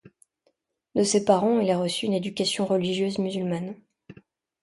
De ses parents, il a reçu une éducation religieuse musulmane.